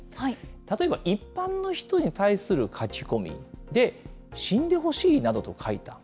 例えば一般の人に対する書き込み、死んでほしいなどと書いた。